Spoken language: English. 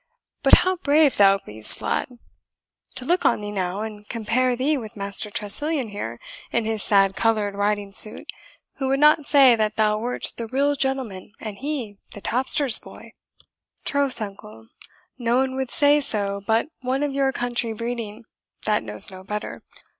But how brave thou be'st, lad! To look on thee now, and compare thee with Master Tressilian here, in his sad coloured riding suit, who would not say that thou wert the real gentleman and he the tapster's boy?" "Troth, uncle," replied Lambourne, "no one would say so but one of your country breeding, that knows no better.